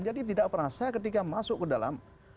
jadi tidak pernah saya ketika masuk ke dalam